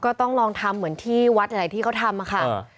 ก็ต้องลองทำเหมือนที่วัดหลายที่เขาทำค่ะ